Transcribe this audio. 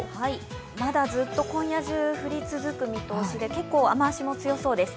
まだずっと今夜中、降り続く見通しで、結構、雨足も強そうです。